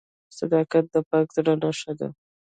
• صداقت د پاک زړه نښه ده.